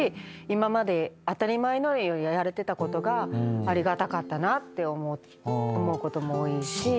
今まで当たり前のようにやられてたことがありがたかったなって思うことも多いし。